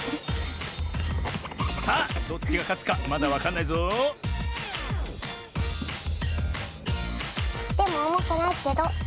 さあどっちがかつかまだわかんないぞでもおもくないけど。